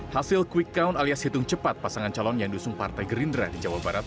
hasil quick count alias hitung cepat pasangan calon yang dusung partai gerindra di jawa barat